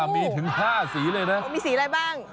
มีถึง๕สีเลยนะมีสีอะไรบ้าง